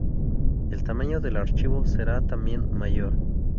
el tamaño del archivo será también mayor